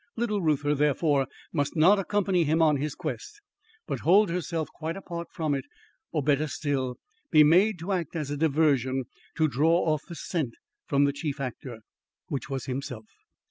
Little Reuther, therefore, must not accompany him on his quest, but hold herself quite apart from it; or, better still, be made to act as a diversion to draw off the scent from the chief actor, which was himself.